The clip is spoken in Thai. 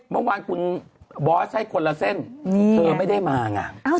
เมื่อวานคุณบอสให้คนละเส้นเธอไม่ได้มาไง